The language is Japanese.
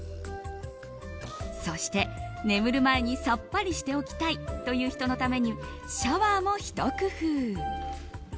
そして、眠る前にさっぱりしておきたいという人のためにシャワーもひと工夫。